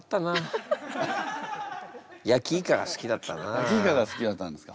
私も焼きイカが好きだったんですか。